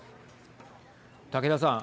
竹田さん。